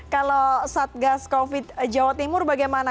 kalau satgas covid jawa timur bagaimana